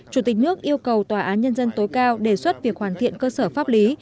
chủ tịch nước yêu cầu tòa án nhân dân tối cao đề xuất việc hoàn thiện cơ sở pháp lý